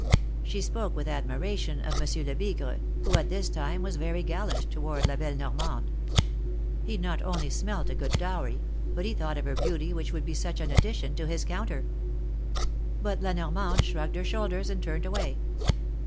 She spoke with admiration of Monsieur Lebigre, who at this time was very gallant toward La belle Nor mande. He not only smelt a good dowry, but he thought of her beauty which would be such an addition to his counter. But La Normande shrugged her shoulders and turned away.